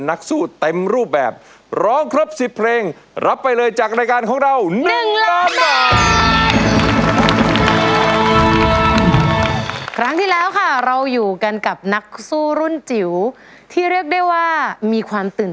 นักสู้รุ่นจิ๋ว